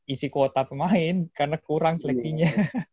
isi kuota pemain karena kurang seleksinya